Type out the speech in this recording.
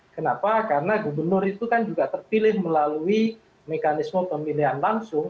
kenapa karena gubernur itu kan juga terpilih melalui mekanisme pemilihan langsung